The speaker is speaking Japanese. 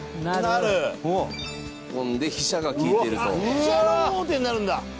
飛車が王手になるんだ。